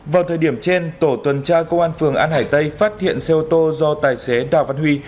vào thời điểm trên tổ tuần tra công an phường an hải tây phát hiện xe ô tô do tài xế đào văn huy